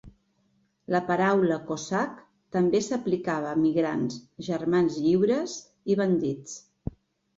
La paraula 'cosac' també s'aplicava a migrants, germans lliures i bandits.